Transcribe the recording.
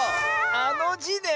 あの「じ」ね。